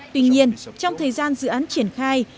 tuy nhiên trong thời gian dự án triển khai